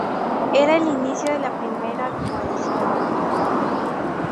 Era el inicio de la Primera Coalición.